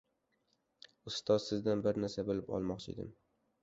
– Ustoz, sizdan bir narsani bilib olmoqchi edim.